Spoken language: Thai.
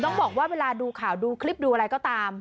ต้องบอกว่าเวลาดูข่าวดูคลิปดูอะไรก็ตาม